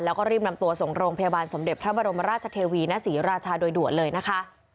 แล้วก็รีบนำตัวส่งโรงพยาบาลสมเด็จพระบรมราชเทวีณศรีราชาโดยด่วนเลยนะคะ